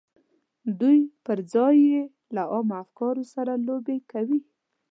دوی پر ځای یې له عامو افکارو سره لوبې کوي